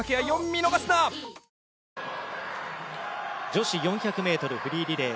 女子４００ｍフリーリレー。